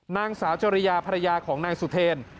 นางสาวจริยาภรรยาของนายสุเทรน